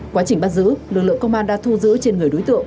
quá trình bắt giữ lực lượng công an đã thu giữ trên người đối tượng